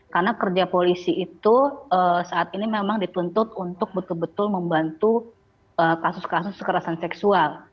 karena kerja polisi itu saat ini memang dituntut untuk betul betul membantu kasus kasus kekerasan seksual